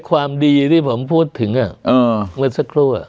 ความดีที่ผมพูดถึงเมื่อสักครู่